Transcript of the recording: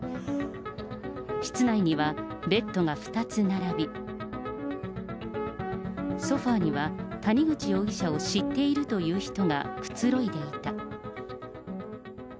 室内には、ベッドが２つ並び、ソファーには谷口容疑者を知っているという人がくつろいでいた。